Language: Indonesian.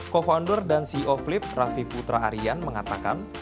co founder dan ceo flip raffi putra aryan mengatakan